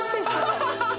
「ハハハハ！」